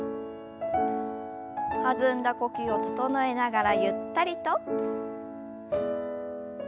弾んだ呼吸を整えながらゆったりと。